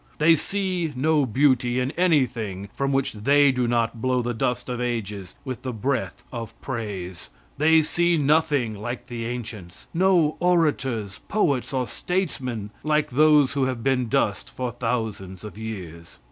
They see no beauty in anything from which they do not blow the dust of ages with the breath of praise. They see nothing like the ancients; no orators, poets or statesmen like those who have been dust for thousands of years.